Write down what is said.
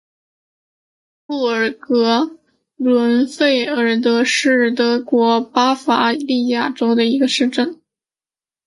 布尔格伦根费尔德是德国巴伐利亚州的一个市镇。